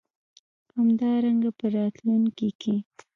همدارنګه په راتلونکې کې